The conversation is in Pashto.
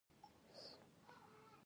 واوره د افغانانو د ګټورتیا برخه ده.